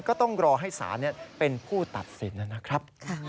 ก็ต้องรอให้ศาลเป็นผู้ตัดสินนะครับ